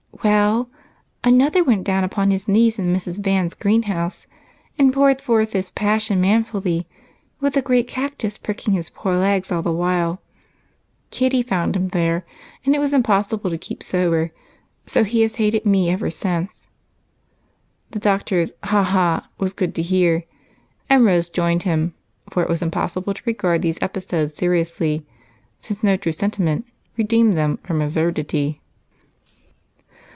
"Well, another went down upon his knees in Mrs. Van's greenhouse and poured forth his passion manfully, with a great cactus pricking his poor legs all the while. Kitty found him there, and it was impossible to keep sober, so he has hated me ever since." The doctor's "Ha! Ha!" was good to hear, and Rose joined him, for it was impossible to regard these episodes seriously, since no true sentiment redeemed them from absurdity.